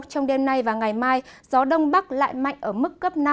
trong đêm nay và ngày mai gió đông bắc lại mạnh ở mức cấp năm